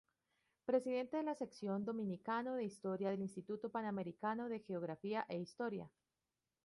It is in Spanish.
Presidente de la Sección Dominicano de Historia del Instituto Panamericano de Geografía e Historia.